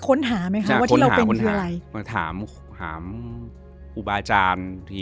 ค้นหาคนหามาถามของอาจารย์ที